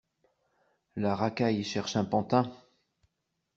La racaille cherche un pantin.